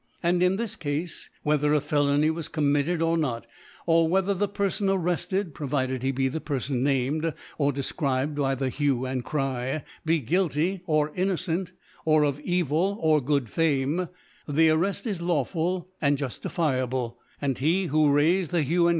And in this Cafe whe ther a Felony was committed or not, or whether rfie Perfon arretted (provided he be the Perfon named or defcribed by the Hue and Cry) be guilty or innocent, or of evil br good Fame, the Arreft is lawful and juf tifiable, and h^ who raifed the Hue and ♦ S G<».